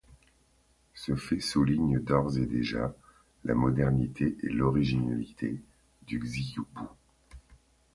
Ce fait souligne d'ores et déjà la modernité et l’originalité du Xīyóu bǔ.